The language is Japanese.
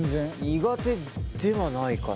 苦手ではないかな。